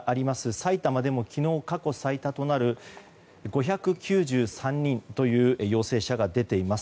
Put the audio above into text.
埼玉でも昨日、過去最多となる５９３人の陽性者が出ています。